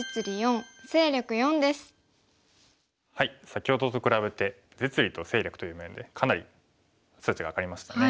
先ほどと比べて実利と勢力という面でかなり数値が上がりましたね。